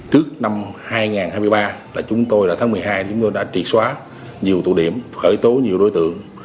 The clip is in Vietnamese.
trước năm hai nghìn hai mươi ba chúng tôi đã triệt xóa nhiều tụ điểm khởi tố nhiều đối tượng